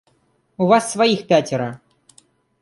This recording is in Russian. У вас своих пятеро.